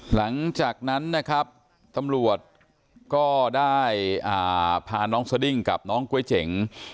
หลังจากนั้นนะครับตำรวจก็ได้พาน้องสดิ้งกับน้องก๊วยเจ๋ง